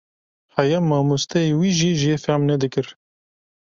Heya mamosteyê wî jî jê fam nedikir.